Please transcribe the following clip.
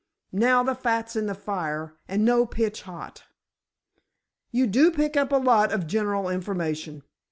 Now, the fat's in the fire, and no pitch hot." "You do pick up a lot of general information."